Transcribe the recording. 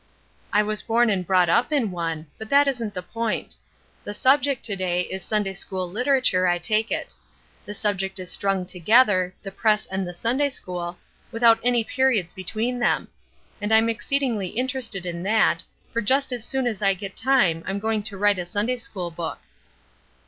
"I was born and brought up in one. But that isn't the point. The subject to day is Sunday school literature, I take it. The subject is strung together, 'The Press and the Sunday school,' without any periods between them, and I'm exceedingly interested in that, for just as soon as I get time I'm going to write a Sunday school book."